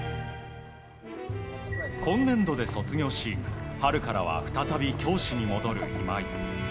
今年度で卒業し春からは再び教師に戻る今井。